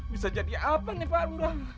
bisa jadi apa nih balurah